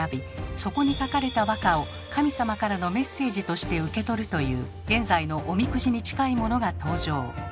そこに書かれた和歌を神様からのメッセージとして受け取るという現在のおみくじに近いものが登場。